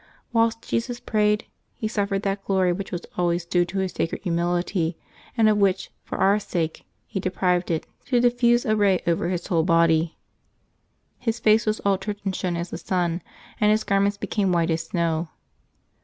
Whilst Jesus prayed, He suffered that glory which was always due to Hie sacred humility, and of which, for our sake. He de prived it, to diffuse a ray over His whole body. His face was altered and shone as the sun, and His garments became white as snow.